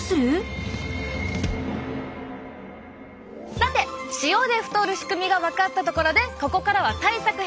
さて塩で太る仕組みが分かったところでここからは対策編！